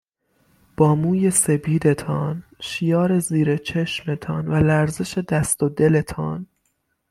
با موے سپیدتان ،شیـار زیر چشمتـان و لرزش دستـــــ و دلتـــان